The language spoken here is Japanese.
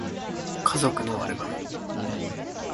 家族のアルバム